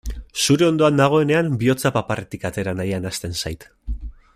Zure ondoan nagoenean bihotza paparretik atera nahian hasten zait.